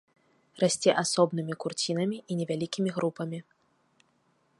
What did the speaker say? Расце асобнымі курцінамі і невялікімі групамі.